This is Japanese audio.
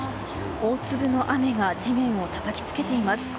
大粒の雨が地面をたたきつけています。